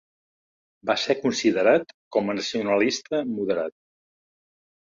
Va ser considerat com a nacionalista moderat.